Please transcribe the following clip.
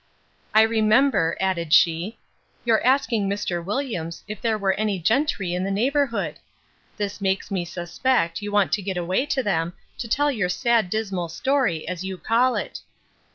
I remember, added she, your asking Mr. Williams, If there were any gentry in the neighbourhood? This makes me suspect you want to get away to them, to tell your sad dismal story, as you call it.